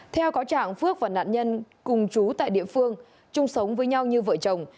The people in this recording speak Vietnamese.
theo có trạng phước và nạn nhân cùng chú tại địa phương chung sống với nhau như vợ chồng